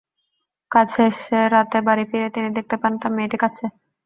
কাজ শেষে রাতে বাড়ি ফিরে তিনি দেখতে পান তাঁর মেয়েটি কাঁদছে।